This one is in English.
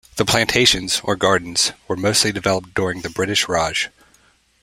The plantations, or gardens, were mostly developed during the British Raj.